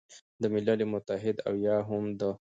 د ملل متحد او یا هم د